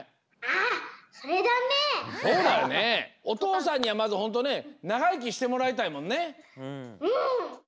お父さんにはまずホントねながいきしてもらいたいもんね。